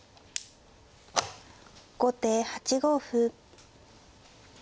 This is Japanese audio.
後手８五歩。